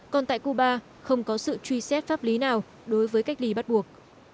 còn tại cuba không có sự truy xét pháp lý nào đối với cách ly bắt buộc